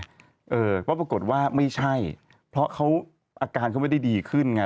เพราะปรากฏว่าไม่ใช่เพราะเขาอาการเขาไม่ได้ดีขึ้นไง